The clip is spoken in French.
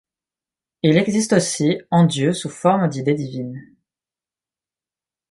Ils existent aussi en Dieu sous forme d'idées divines.